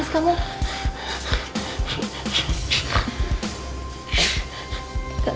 kamu mau meminta described di depan